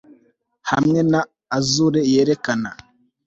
Hamwe na azure yerekana